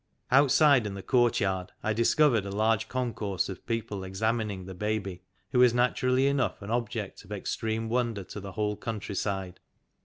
Outside in the courtyard I discovered a large con course of people examining the baby, who was natur ally enough an object of extreme wonder to the whole country side.